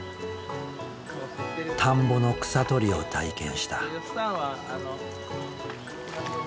田んぼの草取りを体験した。